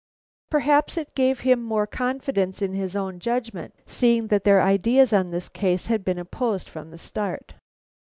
Perhaps it gave him more confidence in his own judgment, seeing that their ideas on this case had been opposed from the start.